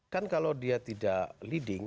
kan kalau dia tidak leading